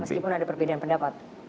meskipun ada perbedaan pendapat